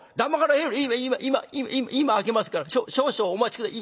「今今今今今開けますから少々お待ち下さい。